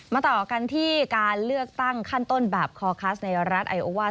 ต่อกันที่การเลือกตั้งขั้นต้นแบบคอคัสในรัฐไอโอวาส